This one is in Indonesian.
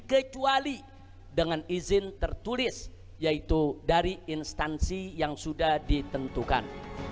kecuali dengan izin tertulis yaitu dari instansi yang sudah ditentukan